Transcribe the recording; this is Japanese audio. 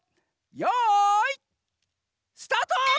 よいスタート！